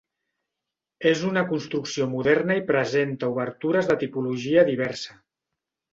És una construcció moderna i presenta obertures de tipologia diversa.